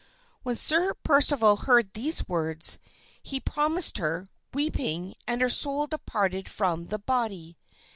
When Sir Percival heard these words he promised her, weeping, and her soul departed from the body.